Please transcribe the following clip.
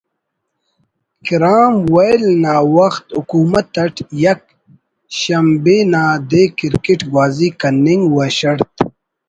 کرام ویل نا وخت حکومت اٹ یک شنبے نا دے کرکٹ گوازی کننگ و شڑت